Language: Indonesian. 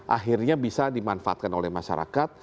akhirnya bisa dimanfaatkan oleh masyarakat